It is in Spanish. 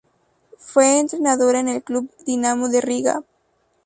Fue entrenadora en el club Dinamo de Riga.